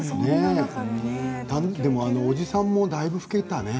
でも、おじさんもだいぶ老けたね。